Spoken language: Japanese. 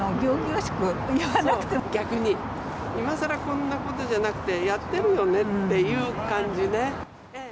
逆に、今さらこんなことじゃなくて、やってるよねっていう感じね。